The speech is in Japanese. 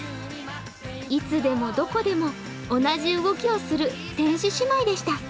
いつでもどこでも同じ動きをする天使姉妹でした。